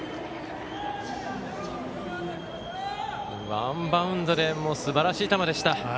ワンバウンドですばらしい球でした。